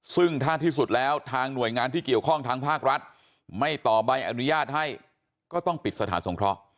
ซึ่งถ้าที่สุดแล้วทางหน่วยงานที่เกี่ยวข้องทางภาครัฐไม่ต่อใบอนุญาตให้ก็ต้องปิดสถานสงเคราะห์